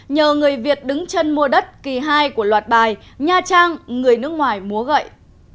nhờ người việt đứng chân mua đất kỳ hai của loạt bài nha trang người nước ngoài múa gậy